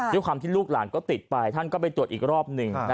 ด้วยความที่ลูกหลานก็ติดไปท่านก็ไปตรวจอีกรอบหนึ่ง